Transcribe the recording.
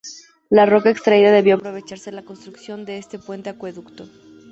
La roca extraída debió aprovecharse en la construcción de este puente acueducto.